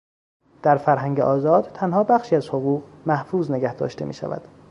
در فرهنگ آزاد، تنها بخشی از حقوق محفوظ نگه داشته میشود